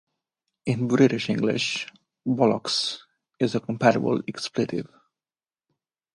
In British English, "bollocks" is a comparable expletive.